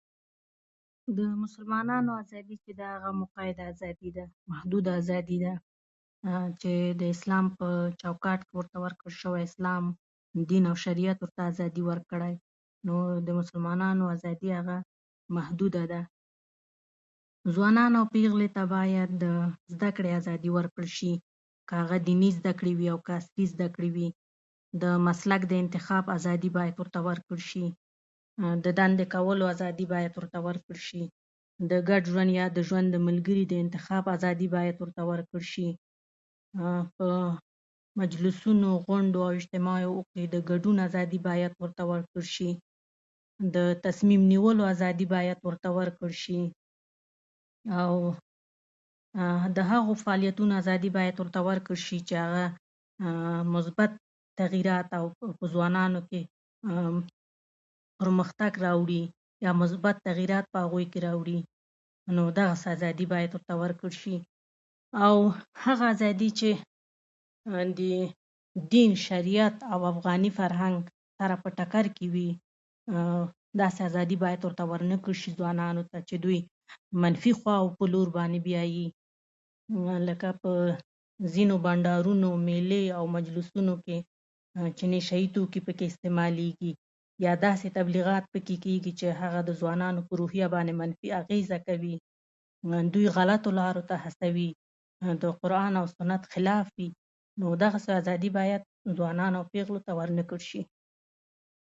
زه درته د سړک پر سر ولاړ يم